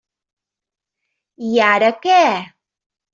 I ara què?